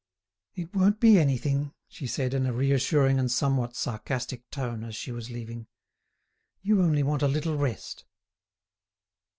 "It won't be anything," she said in a reassuring and somewhat sarcastic tone, as she was leaving. "You only want a little rest."